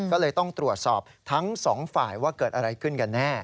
ก็เลยต้องตรวจสอบทั้งสองฝ่ายว่าเกิดอะไรขึ้นกันแน่